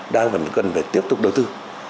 đang cần phải tiếp tục đầu tư